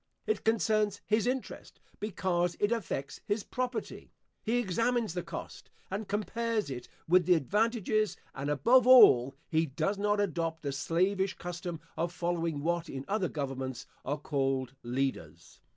It concerns his interest, because it affects his property. He examines the cost, and compares it with the advantages; and above all, he does not adopt the slavish custom of following what in other governments are called Leaders.